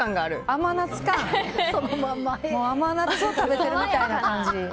甘夏食べてるみたいな感じ。